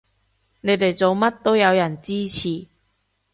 你哋做乜都有人支持